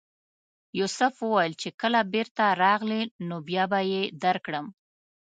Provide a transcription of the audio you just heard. یوسف وویل چې کله بېرته راغلې نو بیا به یې درکړم.